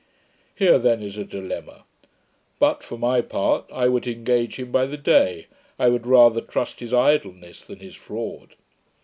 Here then is a dilemma: but, for my part, I would engage him by the day; I would rather trust his idleness than his fraud.'